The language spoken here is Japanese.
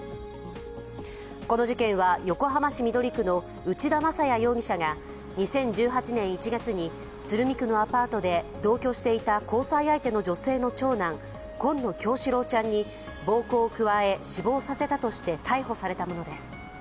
この事件は横浜市緑区の内田正也容疑者が２０１８年１月に鶴見区のアパートで同居していた交際相手の女性の長男、紺野叶志郎ちゃんに暴行を加え死亡させたとして逮捕されたものです。